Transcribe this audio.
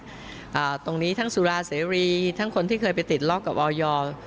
อ่าตรงนี้ทั้งสุราเสรีทั้งคนที่เคยไปติดล็อกกับออยอร์